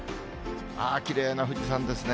ああ、きれいな富士山ですね。